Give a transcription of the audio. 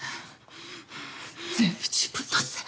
全部自分のせい。